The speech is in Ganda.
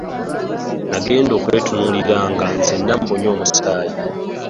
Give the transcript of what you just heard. Nagenda okwetunuulira nga nzenna mbunye omusaayi.